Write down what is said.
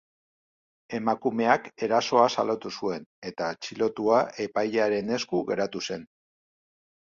Emakumeak erasoa salatu zuen, eta atxilotua epailearen esku geratu zen.